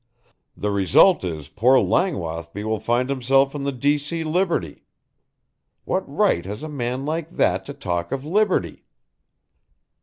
The result is poor Langwathby will find himself in the D. C. Liberty! What right has a man like that to talk of liberty?"